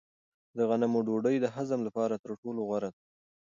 د غنمو ډوډۍ د هضم لپاره تر ټولو غوره ده.